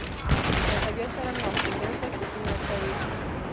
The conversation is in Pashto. له طبیعت سره ناستې زړه ته سکون ورکوي.